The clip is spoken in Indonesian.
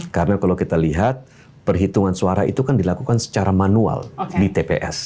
karena kalau kita lihat perhitungan suara itu kan dilakukan secara manual di tps